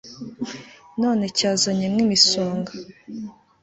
none cyazanye mw' imisonga